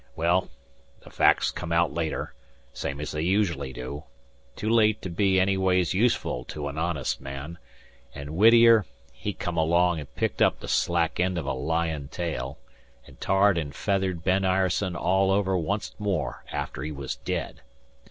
Well, the facts come aout later, same's they usually do, too late to be any ways useful to an honest man; an' Whittier he come along an' picked up the slack eend of a lyin' tale, an' tarred and feathered Ben Ireson all over onct more after he was dead.